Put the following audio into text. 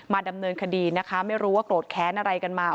ดำเนินคดีนะคะไม่รู้ว่าโกรธแค้นอะไรกันมา